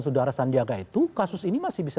saudara sandi arief itu kasus ini masih bisa